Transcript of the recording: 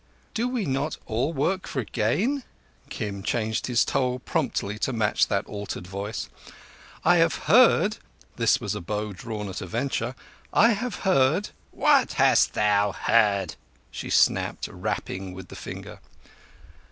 "Do we not all work for gain?" Kim changed his tone promptly to match that altered voice. "I have heard"—this was a bow drawn at a venture—"I have heard—" "What hast thou heard?" she snapped, rapping with the finger.